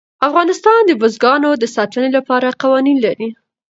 افغانستان د بزګانو د ساتنې لپاره قوانین لري.